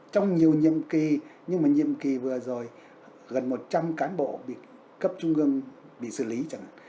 trong nhiều nhiệm kỳ nhưng mà nhiệm kỳ vừa rồi gần một trăm linh cán bộ cấp trung ương bị xử lý chẳng hạn